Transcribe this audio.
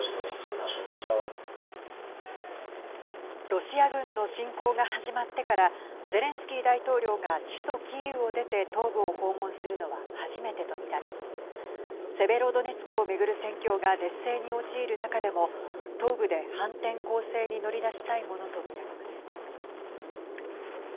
ロシア軍の侵攻が始まってからゼレンスキー大統領が首都キーウを出て東部を訪問するのは初めてとみられセベロドネツクをめぐる戦況が劣勢に陥る中でも東部で反転攻勢に乗り出したいものとみられます。